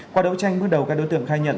qua đấu tranh bước đầu các đối tượng khai nhận